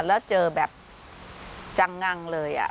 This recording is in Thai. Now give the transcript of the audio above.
แล้วเจอแบบจังงังเลย